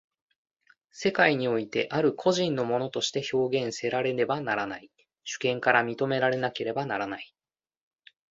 世界においてある個人の物として表現せられねばならない、主権から認められなければならない。